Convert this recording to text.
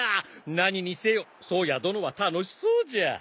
何にせよ颯也殿は楽しそうじゃ！